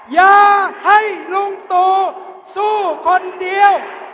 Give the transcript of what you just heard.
อย่าให้ลุงตู่สู้คนเดียว